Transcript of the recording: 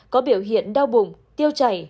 có biểu hiện đau bụng tiêu chảy